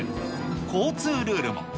交通ルールも。